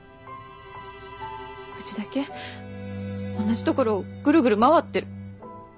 うちだけ同じ所をぐるぐる回ってる。